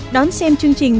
đón xem chương trình